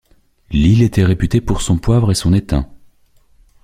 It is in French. L'île était réputée pour son poivre et son étain.